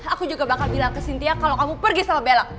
aku juga bakal bilang ke cynthia kalau kamu pergi sama bella